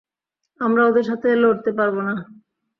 আমরা ওদের সাথে লড়তে পারবো না।